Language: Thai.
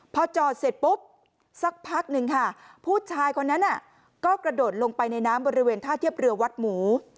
พอจอดเสร็จปุ๊บสักพักหนึ่งค่ะผู้ชายคนนั้นก็กระโดดลงไปในน้ำบริเวณท่าเทียบเรือวัดหมู